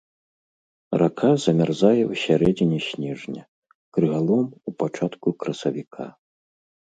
Рака замярзае ў сярэдзіне снежня, крыгалом у пачатку красавіка.